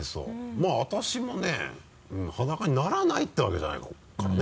まぁ私もね裸にならないってわけじゃないからね。